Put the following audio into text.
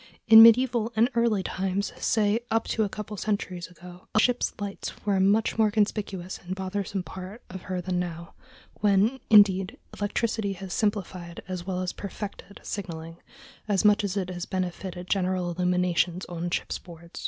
In medieval and early times, say up to a couple of centuries ago, a ship's lights were a much more conspicuous and bothersome part of her than now, when, indeed, electricity has simplified as well as perfected signaling as much as it has benefited general illumination on ship's board.